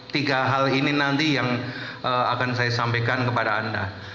tiga hal ini nanti yang akan saya sampaikan kepada anda